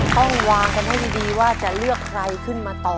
ต้องวางคำให้ดีว่าจะเลือกใครขึ้นมาตอบนะครับ